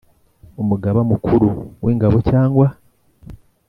Umugaba Mukuru w Ingabo cyangwa